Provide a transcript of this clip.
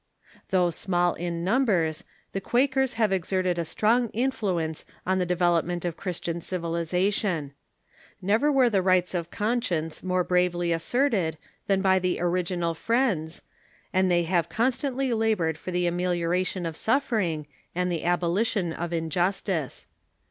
Though small in numbers, the Quakers have exerted a strong influence on the development of Christian civilization. Never Avere the rights of conscience more bravely theChjakers asserted than by the original Friends, and they have constantly labored for the amelioration of suffering and the abolition of injustice.